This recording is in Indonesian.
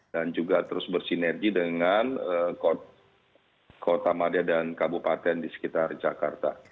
juga terus bersinergi dengan kota madia dan kabupaten di sekitar jakarta